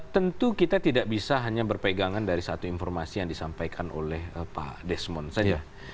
tentu kita tidak bisa hanya berpegangan dari satu informasi yang disampaikan oleh pak desmond saja